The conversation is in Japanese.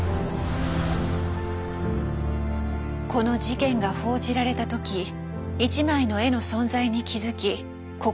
この事件が報じられた時１枚の絵の存在に気付き心